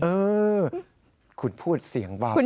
เออคุณพูดเสียงบ้าพูด